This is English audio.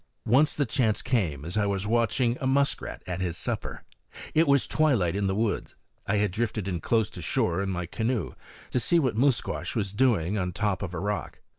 Once the chance came as I was watching a muskrat at his supper. It was twilight in the woods. I had drifted in close to shore in my canoe to see what Musquash was doing on top of a rock.